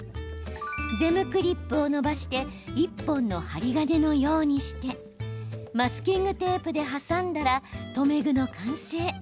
ゼムクリップを伸ばして１本の針金のようにしてマスキングテープで挟んだら留め具の完成。